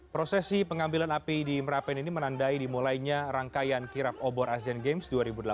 prosesi pengambilan api di merapen ini menandai dimulainya rangkaian kirap obor asian games dua ribu delapan belas